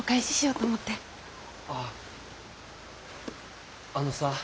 あっあのさ